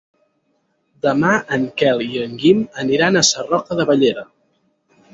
Demà en Quel i en Guim aniran a Sarroca de Bellera.